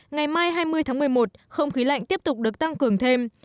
ngày mai hai mươi tháng một mươi một không khí lạnh tiếp tục được tăng cường thêm